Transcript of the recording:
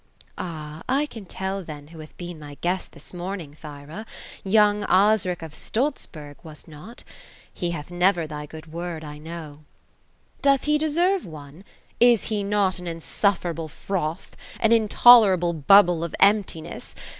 ^^ Ah, I can tell, then, who hath been thy guest this morning, Thyra. Young Osric of Stolzberg ; was't not ? Ue haih never thy good word, I know." '^ Doth de deserve one ? Is he not an insufferable froth ? An in tolerable bubble of emptiness